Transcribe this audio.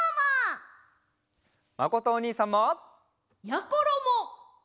まことおにいさんも！やころも！